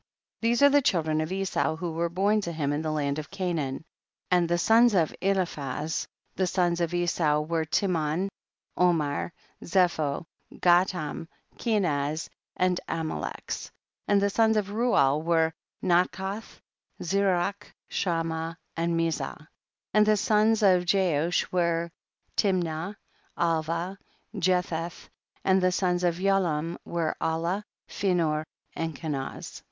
These are the children of Esau who were born to him in the land of Canaan ; and the sons of Eliphaz 108 THE BOOK OF JASHER. the son of Esau were Teman, Omar, Zepho, Gatam, Kenaz and Amalex, and the sons of Reuel were Nachath, Zerach, Shamah and Mizzah. 24. And the sons of Jeush were Timnah, Alvah, Jetheth ; and the sons of Yaalam were Alah, Phinor and Kenaz.